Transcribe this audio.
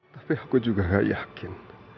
tapi aku juga gak yakin